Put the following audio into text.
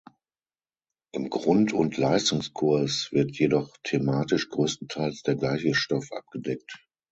Im Grund- und Leistungskurs wird jedoch thematisch größtenteils der gleiche Stoff abgedeckt.